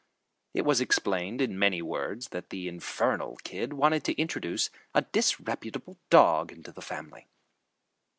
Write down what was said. It was explained in many words that the infernal kid wanted to introduce a disreputable dog into the family.